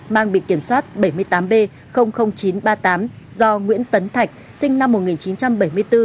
mang bị kiểm soát bảy mươi tám b chín trăm ba mươi tám do nguyễn tấn thạch sinh năm một nghìn chín trăm bảy mươi bốn